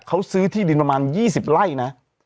เขาซื้อที่ดินประมาณ๒๐ไร่นะ